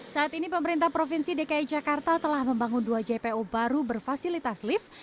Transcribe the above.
saat ini pemerintah provinsi dki jakarta telah membangun dua jpo baru berfasilitas lift